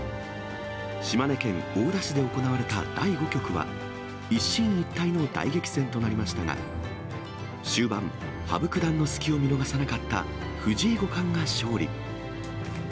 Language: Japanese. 島根県大田市で行われた第５局は、一進一退の大激戦となりましたが、終盤、羽生九段の隙を見逃さなかった藤井五冠が勝利。